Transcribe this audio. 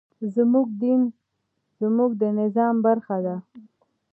زموږ دين زموږ د نظام برخه ده.